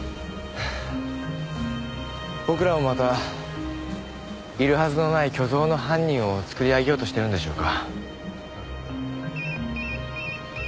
僕らもまたいるはずのない虚像の犯人を作り上げようとしてるんでしょうか。